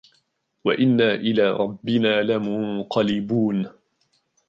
وَإِنَّا إِلَى رَبِّنَا لَمُنْقَلِبُونَ